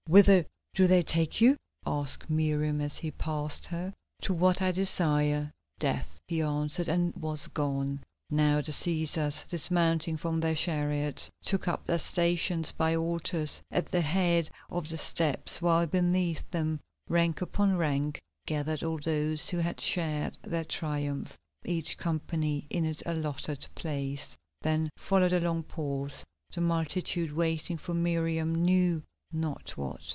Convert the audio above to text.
"Whither do they take you?" asked Miriam as he passed her. "To what I desire—death," he answered, and was gone. Now the Cæsars, dismounting from their chariots, took up their stations by altars at the head of the steps, while beneath them, rank upon rank, gathered all those who had shared their Triumph, each company in its allotted place. Then followed a long pause, the multitude waiting for Miriam knew not what.